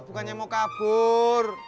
bukannya mau kabur